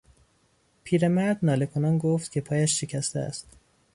پیرمرد ناله کنان گفت که پایش شکسته است.